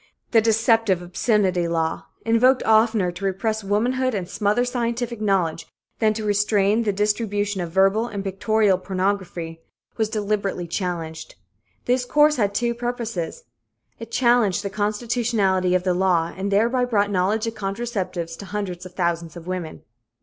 The deceptive "obscenity law," invoked oftener to repress womanhood and smother scientific knowledge than to restrain the distribution of verbal and pictorial pornography, was deliberately challenged. This course had two purposes. It challenged the constitutionality of the law and thereby brought knowledge of contraceptives to hundreds of thousands of women.